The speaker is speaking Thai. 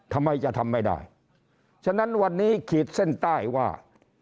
ทำไมจะทำไม่ได้ฉะนั้นวันนี้ขีดเส้นใต้ว่า